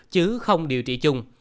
chứ không điều trị chung